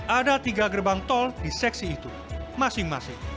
ada tiga gerbang tol di seksi itu masing masing